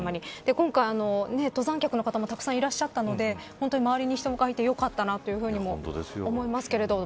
今回、登山客の方もたくさんいらっしゃったので本当に周りに人がいてよかったなと思います。